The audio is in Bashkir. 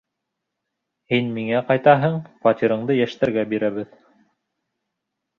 Һин миңә ҡайтаһың, фатирыңды йәштәргә бирәбеҙ.